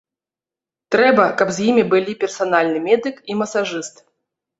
Трэба, каб з імі былі персанальны медык і масажыст.